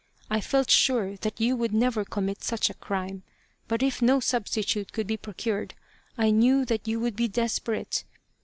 I felt sure that you would never commit such a crime, but if no sub stitute could be procured I knew that you would be desperate.